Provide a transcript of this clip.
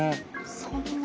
そんなに。